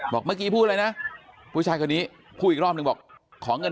บอกเมื่อกี้พูดอะไรนะผู้ชายคนนี้พูดอีกรอบนึงบอกขอเงิน